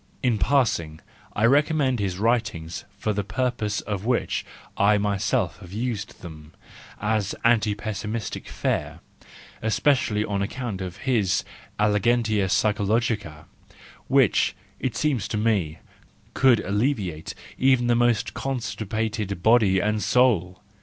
(In passing I recommend his writings for the purpose for which I myself have used them, as anti pessimistic fare, especially on account of his elegantia psychological which, it seems to me, could alleviate even the most constipated body and soul).